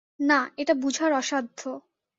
না, এটা বুঝার অসাধ্য!